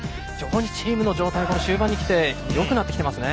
チームの状態、終盤にきてよくなってきていますね。